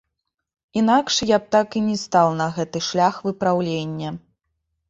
Інакш я б так і не стаў на гэты шлях выпраўлення.